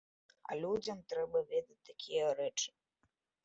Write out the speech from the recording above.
А людзям трэба ведаць такія рэчы.